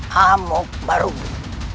hamuk baru bu